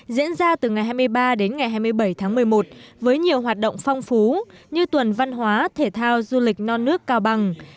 diễn ra từ ngày hai mươi ba đến ngày hai mươi bảy tháng một mươi một với nhiều hoạt động phong phú như tuần văn hóa thể thao du lịch non nước cao bằng